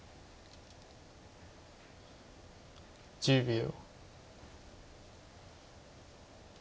１０秒。